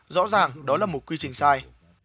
rõ ràng đó là một quy trình sai